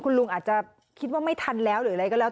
คุณลุงอาจจะคิดว่าไม่ทันแล้วหรืออะไรก็แล้ว